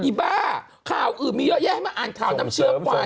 บ้าข่าวอื่นมีเยอะแยะให้มาอ่านข่าวน้ำเชื้อควาย